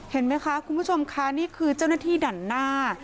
เห็นไหมคะคุณผู้ชมค่ะนี่คือเจ้าหน้าที่ดันหน้า